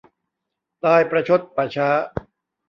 ตายประชดป่าช้า